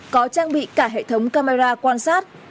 có trang bị cả hệ thống camera quan sát